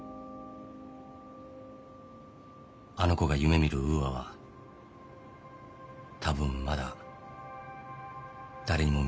あの子が夢見るウーアは多分まだ誰にも見えない。